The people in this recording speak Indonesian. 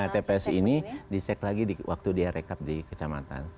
tps ini dicek lagi waktu dia rekap di kecamatan